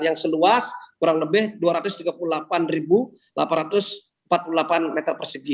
yang seluas kurang lebih dua ratus tiga puluh delapan delapan ratus empat puluh delapan meter persegi